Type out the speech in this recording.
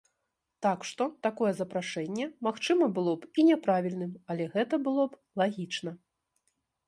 Так што такое запрашэнне, магчыма, было б і няправільным, але гэта было б лагічна.